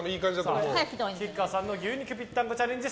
菊川さんの牛肉ぴったんこチャレンジ